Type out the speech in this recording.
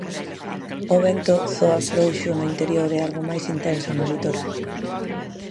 O vento zoa frouxo no interior e algo máis intenso no litoral.